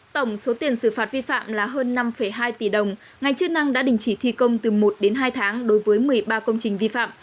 tổng số tiền xử phạt vi phạm là hơn năm hai tỷ đồng ngành chức năng đã đình chỉ thi công từ một đến hai tháng đối với một mươi ba công trình vi phạm